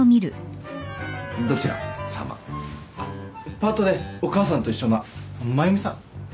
パートでお母さんと一緒の真由美さん。